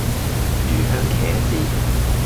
魚香茄子